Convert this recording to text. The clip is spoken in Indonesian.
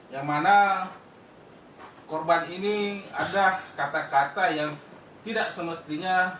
yang mana korban ini ada kata kata yang tidak semestinya